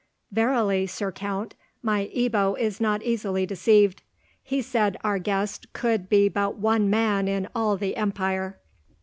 "Verily, Sir Count, my Ebbo is not easily deceived. He said our guest could be but one man in all the empire."